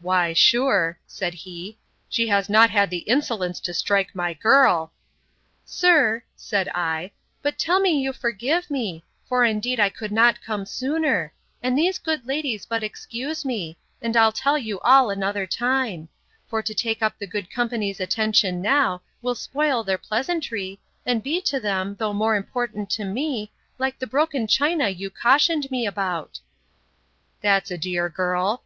—Why sure, said he, she has not had the insolence to strike my girl!—Sir, said I, but tell me you forgive me; for indeed I could not come sooner; and these good ladies but excuse me; and I'll tell you all another time; for to take up the good company's attention now, will spoil their pleasantry, and be to them, though more important to me, like the broken china you cautioned me about. That's a dear girl!